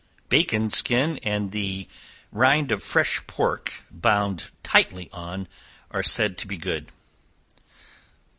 Bacon skin and the rind of fresh pork bound tightly on, are said to be good.